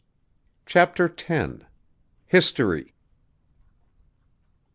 CHAPTER X. HISTORY.